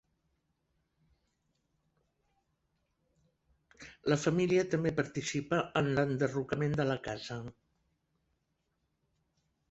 La família també participa en l'enderrocament de la casa.